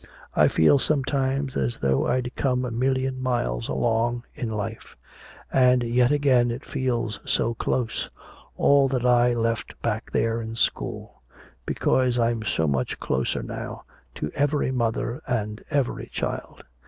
I feel sometimes as though I'd come a million miles along in life. And yet again it feels so close, all that I left back there in school. Because I'm so much closer now to every mother and every child.